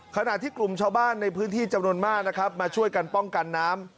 ขณะที่กลุ่มชาวบ้านในพื้นที่จำนวนมากนะครับมาช่วยกันป้องกันน้ำ